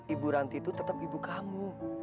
ibu ranti itu tetap ibu kamu